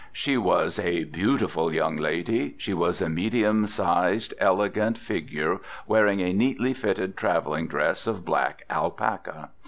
She was a beautiful young lady. She was a medium, sized, elegant figure, wearing a neatly fitted travelling dress of black alpaca.